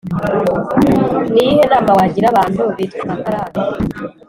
ni iyihe nama wagira abantu bitwara nka karake,